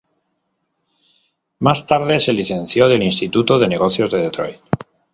Más tarde se licenció del Instituto de Negocios de Detroit.